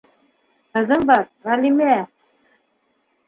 Ҡыҙың бар, Ғәлимә...